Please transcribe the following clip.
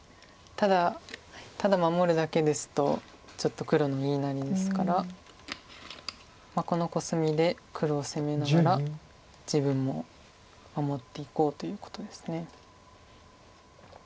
ただただ守るだけですとちょっと黒の言いなりですからこのコスミで黒を攻めながら自分も守っていこうということです。